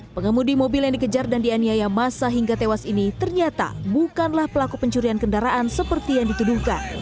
pengemudi mobil yang dikejar dan dianiaya masa hingga tewas ini ternyata bukanlah pelaku pencurian kendaraan seperti yang dituduhkan